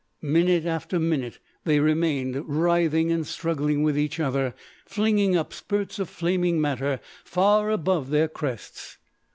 Minute after minute they remained writhing and struggling with each other, flinging up spurts of flaming matter far above their crests.